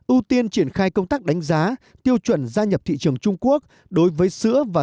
ưu tiên triển khai công tác đánh giá tiêu chuẩn gia nhập thị trường trung quốc đối với sữa và